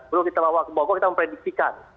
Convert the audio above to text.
belum kita bawa ke bogor kita memprediksikan